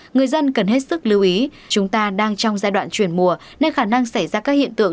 người dân cần hết sức lưu ý chúng ta đang trong giai đoạn chuyển mùa nên khả năng xảy ra các hiện tượng